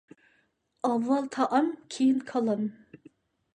ئاۋۋال تائام، كېيىن كالام.